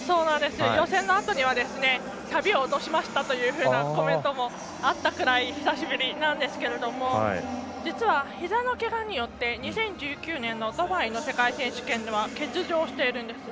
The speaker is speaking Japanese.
予選のあとにはさびを落としましたというようなコメントもあったぐらい久しぶりなんですけれども実は、ひざのけがによって２０１９年のドバイの世界選手権では欠場しているんです。